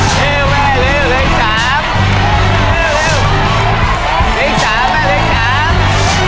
สี่แม่จิน